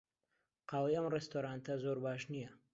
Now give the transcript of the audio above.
قاوەی ئەم ڕێستۆرانتە زۆر باش نییە.